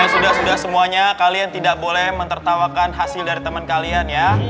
ya sudah sudah semuanya kalian tidak boleh mentertawakan hasil dari teman kalian ya